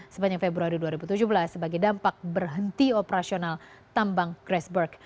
sepanjang februari dua ribu tujuh belas sebagai dampak berhenti operasional tambang grassberg